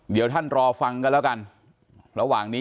เดี๋ยวท่านรอฟังกันแล้วกันระหว่างนี้